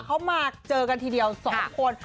เขามาเจอกันทีเดียว๒คน